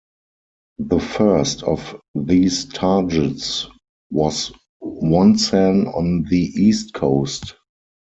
The first of these targets was Wonsan on the east coast.